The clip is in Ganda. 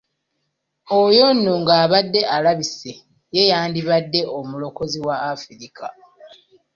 Oyo nno ng'abadde alabise, ye yandibadde omulokozi wa Africa.